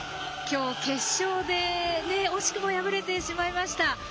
きょう、決勝で惜しくも敗れてしまいました。